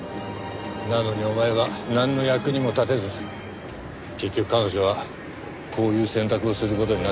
なのにお前はなんの役にも立てず結局彼女はこういう選択をする事になったわけか。